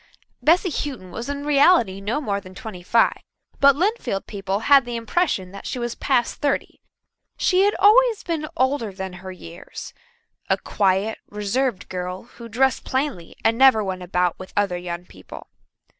Bessy Houghton was in reality no more than twenty five, but Lynnfield people had the impression that she was past thirty. She had always been older than her years a quiet, reserved girl who dressed plainly and never went about with other young people.